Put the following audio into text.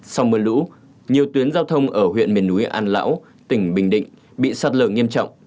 sau mưa lũ nhiều tuyến giao thông ở huyện miền núi an lão tỉnh bình định bị sạt lở nghiêm trọng